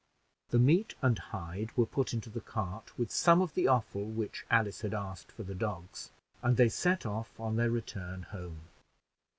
The meat and hide were put into the cart, with some of the offal which Alice had asked for the dogs, and they set off on their return home.